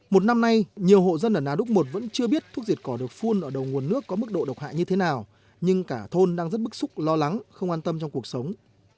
một năm nay nhiều hộ dân ở nà đúc một vẫn chưa biết thuốc diệt cỏ được phun ở đầu nguồn nước có mức độ độc hại như thế nào nhưng cả thôn đang rất bức xúc lo lắng không an tâm trong cuộc sống